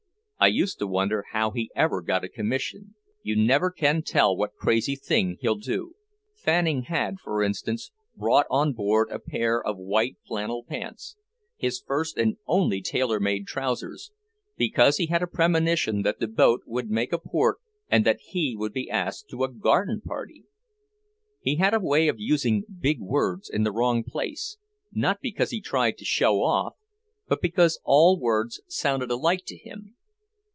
I used to wonder how he ever got a commission. You never can tell what crazy thing he'll do." Fanning had, for instance, brought on board a pair of white flannel pants, his first and only tailor made trousers, because he had a premonition that the boat would make a port and that he would be asked to a garden party! He had a way of using big words in the wrong place, not because he tried to show off, but because all words sounded alike to him.